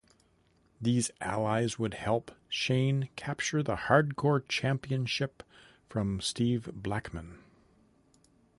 These allies would help Shane capture the Hardcore Championship from Steve Blackman.